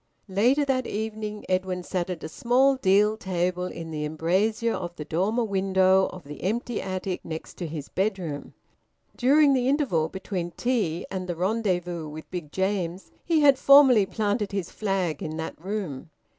Later that evening, Edwin sat at a small deal table in the embrasure of the dormer window of the empty attic next to his bedroom. During the interval between tea and the rendezvous with Big James he had formally planted his flag in that room.